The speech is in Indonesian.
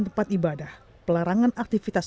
tempat ibadah pelarangan aktivitas